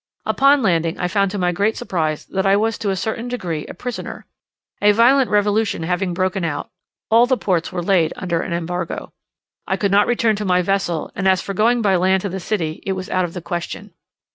Upon landing, I found to my great surprise that I was to a certain degree a prisoner. A violent revolution having broken out, all the ports were laid under an embargo. I could not return to my vessel, and as for going by land to the city, it was out of the question.